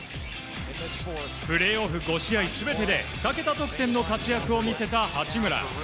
プレーオフ５試合全てで２桁得点の活躍を見せた八村。